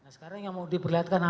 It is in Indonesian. sekarang yang mau diperlihatkan apa